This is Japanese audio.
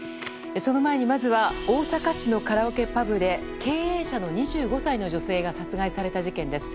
その前にまずは大阪市のカラオケパブで経営者の２５歳の女性が殺害された事件です。